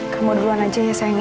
kamu duluan aja ya sayang ya